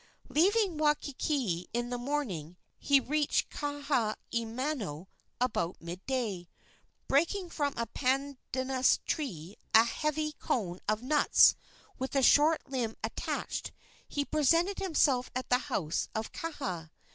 Leaving Waikiki in the morning, he reached Kahaiamano about midday. Breaking from a pandanus tree a heavy cone of nuts with a short limb attached, he presented himself at the house of Kaha.